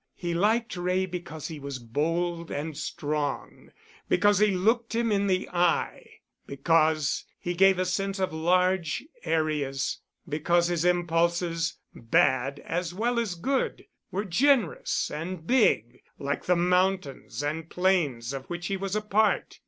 He liked Wray because he was bold and strong, because he looked him in the eye, because he gave a sense of large areas, because his impulses, bad as well as good, were generous and big, like the mountains and plains of which he was a part.